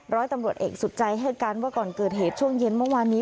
ร้อยตำรวจเอกสุดใจให้การว่าก่อนเกิดเหตุช่วงเย็นเมื่อวานนี้